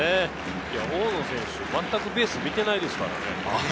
大野選手、まったくベース見ていないですからね。